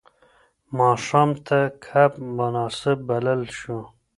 ماښام ته کب مناسب بلل شو.